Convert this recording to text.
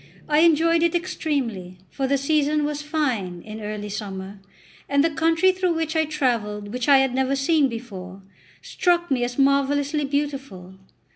I enjoyed it extremely; for the season was fine, in early summer, and the country through which I travelled, and which I had never seen before, struck me as marvellously beautiful.